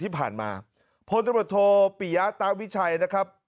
ที่ผ่านมาพลฯมัตโฟปี่ยะตะวิชัยนะครับ